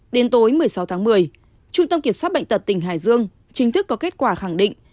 đến tối một mươi sáu tháng một mươi trung tâm kiểm soát bệnh tật tỉnh hải dương chính thức có kết quả khẳng định